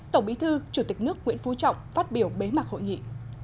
tổng bí thư chủ tịch nước nguyễn phú trọng phát biểu bế mạc hội nghị